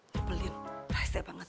topelin rahasia banget